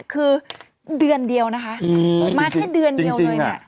คือเดือนเดียวนะคะมาแค่เดือนเดียวเลยเนี่ย